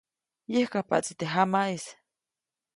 Yäjkajpaʼtsi teʼ jamaʼis.